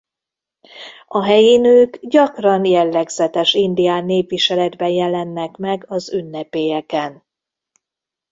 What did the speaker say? A helyi nők gyakran jellegzetes indián népviseletben jelennek meg az ünnepélyeken.